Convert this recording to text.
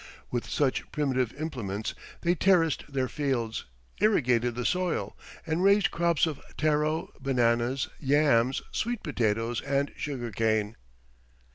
With such primitive implements they terraced their fields, irrigated the soil, and raised crops of taro, bananas, yams, sweet potatoes, and sugar cane.